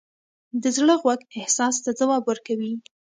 د زړه غوږ احساس ته ځواب ورکوي.